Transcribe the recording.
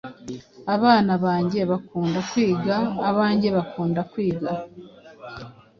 Abana bange bakunda kwiga. Abange bakunda kwiga.